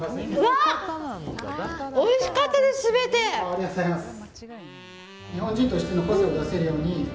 ありがとうございます。